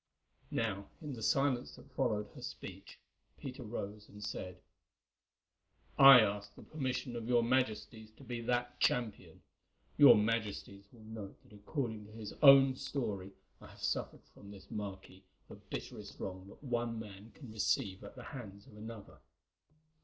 Now, in the silence that followed her speech, Peter rose and said: "I ask the permission of your Majesties to be that champion. Your Majesties will note that according to his own story I have suffered from this marquis the bitterest wrong that one man can receive at the hands of another.